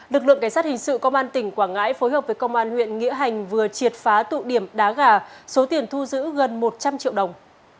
lực lượng cảnh sát hình sự công an tỉnh quảng ngãi phối hợp với công an huyện nghĩa hành vừa triệt phá tụ điểm đá gà số tiền thu giữ gần một trăm linh triệu đồng